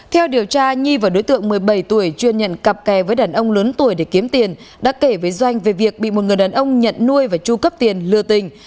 theo điều tra nhi và đối tượng một mươi bảy tuổi chuyên nhận cặp kè với đàn ông lớn tuổi để kiếm tiền đã kể với doanh về việc bị một người đàn ông nhận nuôi và tru cấp tiền lừa tình